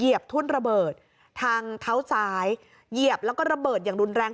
บทุ่นระเบิดทางเท้าซ้ายเหยียบแล้วก็ระเบิดอย่างรุนแรง